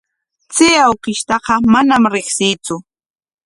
Chay awkishtaqa manam riqsiitsu.